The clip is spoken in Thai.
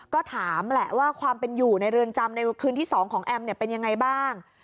ก็ถามแหละว่าความเป็นอยู่ในเรือนจำในคืนที่๒ของแอมเป็นยังไงบ้าง